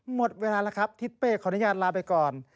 หมดเวลาแล้วครับทิศเป้ขออนุญาตลาไปก่อน